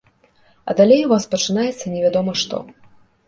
А далей у вас пачынаецца невядома што.